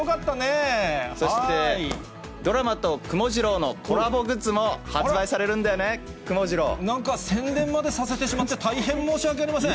そして、ドラマとくもジローのコラボグッズも発売されるんだよね、くもジなんか宣伝までさせてしまって、大変申し訳ありません。